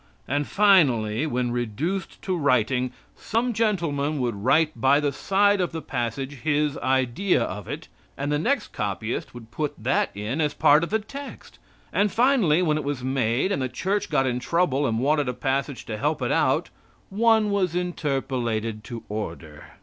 And finally, when reduced to writing, some gentleman would write by the side of the passage his idea of it, and the next copyist would put that in as a part of the text. And, finally, when it was made, and the Church got in trouble, and wanted a passage to help it out, one was interpolated to order.